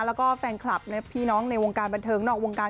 แล้วก็แฟนคลับพี่น้องในวงการบันเทิงนอกวงการ